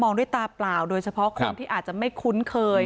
ด้วยตาเปล่าโดยเฉพาะคนที่อาจจะไม่คุ้นเคย